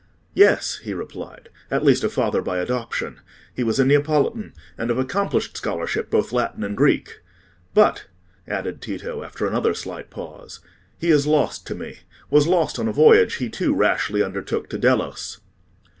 "Yes," he replied, "at least a father by adoption. He was a Neapolitan, and of accomplished scholarship, both Latin and Greek. But," added Tito, after another slight pause, "he is lost to me—was lost on a voyage he too rashly undertook to Delos."